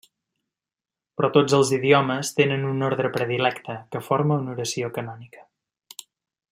Però tots els idiomes tenen un ordre predilecte, que forma una oració canònica.